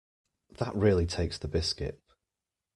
That really takes the biscuit